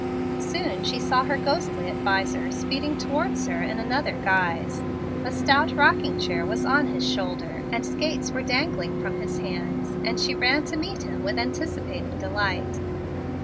Soon she saw her ghostly adviser speeding towards her in another guise. A stout rocking chair was on his shoulder, and skates were dangling from his hand, and she ran to meet him with anticipating delight.